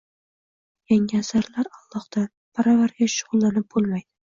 Yaxshi asarlar Ollohdan. Baravariga shug‘ullanib bo‘lmaydi…